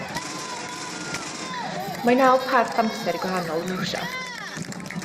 Mae naw parth amser gwahanol yn Rwsia.